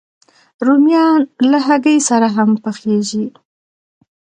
رومیان له هګۍ سره هم پخېږي